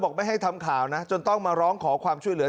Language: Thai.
ไม่ให้ทำข่าวนะจนต้องมาร้องขอความช่วยเหลือ